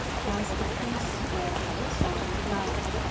As the priests wished, so was it done.